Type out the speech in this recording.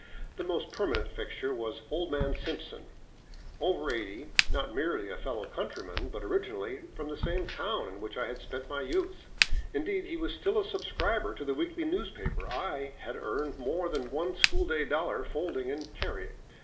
The most permanent fixture was "Old Man Simpson," over eighty, not merely a fellow countryman, but originally from the same town in which I had spent my youth; indeed, he was still a subscriber to the weekly newspaper I had earned more than one school day dollar folding and " carrying."